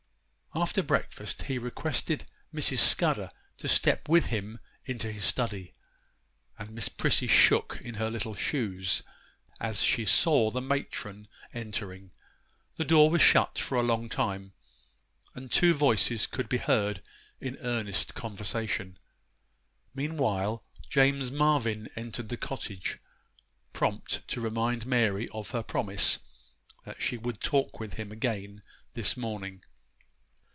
After breakfast he requested Mrs. Scudder to step with him into his study; and Miss Prissy shook in her little shoes as she saw the matron entering. The door was shut for a long time, and two voices could be heard in earnest conversation. Meanwhile James Marvyn entered the cottage, prompt to remind Mary of her promise, that she would talk with him again this morning.